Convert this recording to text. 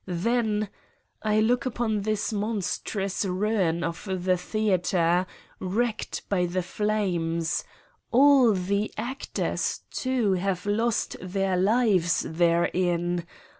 Then look upon this monstrous ruin of the theater wrecked by the flames : all the actors, too, have lost their lives therein